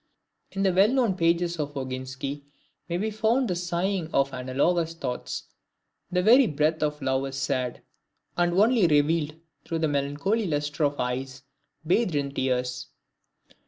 In the well known pages of Oginski may be found the sighing of analogous thoughts: the very breath of love is sad, and only revealed through the melancholy lustre of eyes bathed in tears.